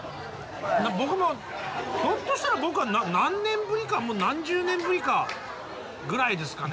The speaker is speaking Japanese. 僕もひょっとしたら僕は何年ぶりかもう何十年ぶりかぐらいですかね。